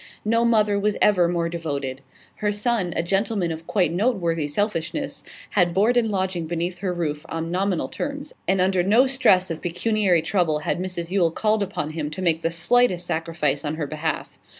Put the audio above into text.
No mother was ever more devoted. Her son, a gentleman of quite noteworthy selfishness, had board and lodging beneath her roof on nominal terms, and under no stress of pecuniary trouble had Mrs Yule called upon him to make the slightest sacrifice on her behalf.